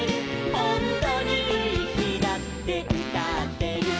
「ほんとにいい日だって歌ってる」